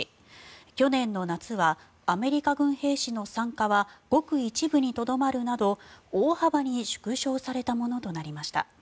去年の夏はアメリカ軍兵士の参加はごく一部にとどまるなど大幅に縮小されたものとなりました。